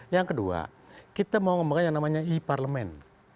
yang kedua kita mau ngomongin yang namanya i parlemen